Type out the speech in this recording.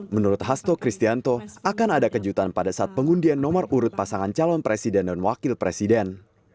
menurut hasto kristianto akan ada kejutan pada saat pengundian nomor urut pasangan calon presiden dan wakil presiden